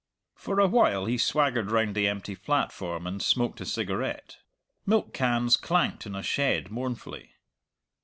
For a while he swaggered round the empty platform and smoked a cigarette. Milk cans clanked in a shed mournfully.